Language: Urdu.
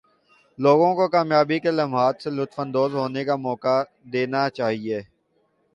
لوگوں کو کامیابی کے لمحات سے لطف اندواز ہونے کا موقع دینا چاہئے